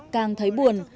càng thấy buồn